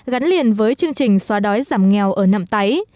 gắn liền với chương trình xóa đói giảm nghèo ở nằm tái